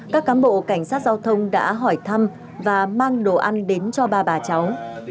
các cán bộ cảnh sát giao thông đã hỏi thăm và mang đồ ăn đến cho ba bà cháu